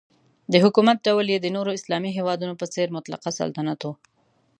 د حکومت ډول یې د نورو اسلامي هیوادونو په څېر مطلقه سلطنت و.